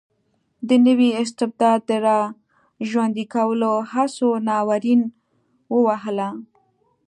د نوي استبداد د را ژوندي کولو هڅو ناورین ووهله.